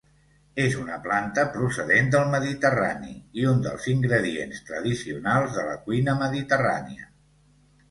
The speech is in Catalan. És una planta procedent del Mediterrani i un dels ingredients tradicionals de la cuina mediterrània.